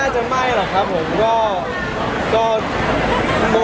ของสุดท้ายทรัพย์ของทั้งสองคน